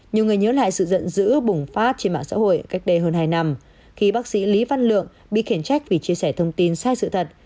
nhiều người nhớ lại sự giận dữ bùng phát trên mạng xã hội cách đây hơn hai năm khi bác sĩ lý văn lượng bị khiển trách vì chia sẻ thông tin sai sự thật